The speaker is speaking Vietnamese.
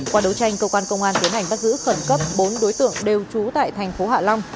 qua đấu tranh cơ quan công an tiến hành bắt giữ khẩn cấp bốn đối tượng đều trú tại thành phố hạ long